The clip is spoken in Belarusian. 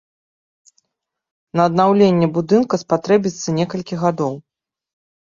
На аднаўленне будынка спатрэбіцца некалькі гадоў.